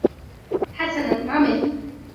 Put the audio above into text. حسنًا عُمِلَ.